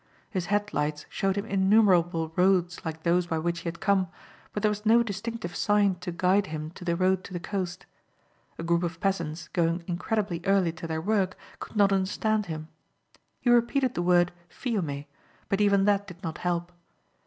His headlights showed him innumerable roads like those by which he had come but there was no distinctive sign to guide him to the road to the coast. A group of peasants going incredibly early to their work could not understand him. He repeated the word Fiume but even that did not help.